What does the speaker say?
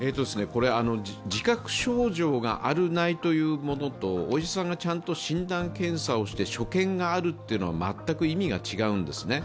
自覚症状がある・ないというものとお医者さんがちゃんと診断・検査をして所見があるというのとでは全く意味が違うんですね。